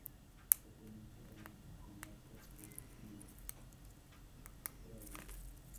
Pertenece a la Comarca de Monfragüe.